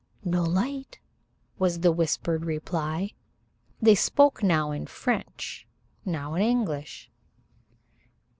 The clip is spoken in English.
"No light," was the whispered reply. They spoke now in French, now in English.